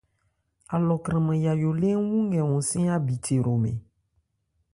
Alɔ kranman yayó lê ń wù nkɛ hɔnsɛ́n ábithe hromɛn.